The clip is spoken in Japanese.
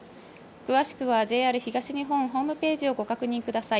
詳しくは、ＪＲ東日本ホームページをご確認ください。